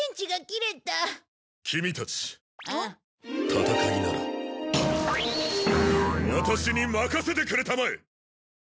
戦いならワタシに任せてくれたまえ！